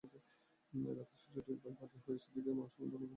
রাতেই শিশুটির ভাই বাদী হয়ে সিদ্দিককে আসামি করে রূপনগর থানায় মামলা করেন।